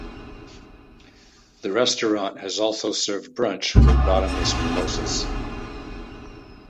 The restaurant has also served brunch with bottomless mimosas.